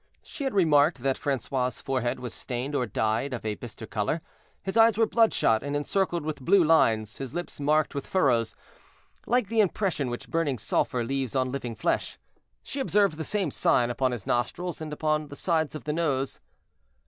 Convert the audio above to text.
She had remarked that Francois' forehead was stained or dyed of a bister color, his eyes were bloodshot and encircled with blue lines, his lips marked with furrows, like the impression which burning sulphur leaves on living flesh. She observed the same sign upon his nostrils and upon the sides of the nose.